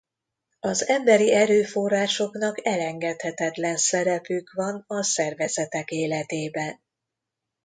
Az emberi erőforrásoknak elengedhetetlen szerepük van a szervezetek életében.